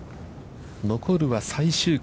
残るは最終組。